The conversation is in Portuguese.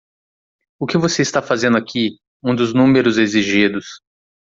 "O que você está fazendo aqui?" um dos números exigidos.